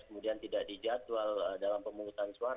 kemudian tidak dijadwal dalam pemungutan suara